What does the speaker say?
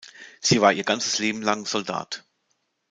Sie war ihr ganzes Leben lang Soldat.